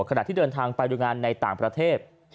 ขณะที่เดินทางไปดูงานในต่างประเทศ